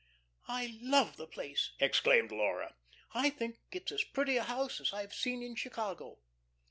"I love the place," exclaimed Laura. "I think it's as pretty a house as I have seen in Chicago."